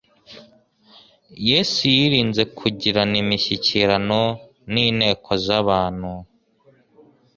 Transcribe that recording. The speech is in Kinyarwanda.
Yesu yirinze kugirana imishyikirano n'inteko z'abantu.